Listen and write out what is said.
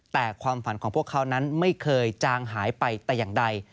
แต่ความฝันของพวกเขานั้นไม่เคยจางหายไปแต่อย่างใด